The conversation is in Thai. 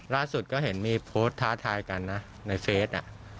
ล่าสุดก็เห็นมีโพสต์ท้าทายกันนะในเฟส